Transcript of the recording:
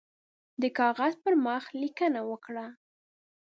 د کاغذ پر مخ لیکنه وکړه.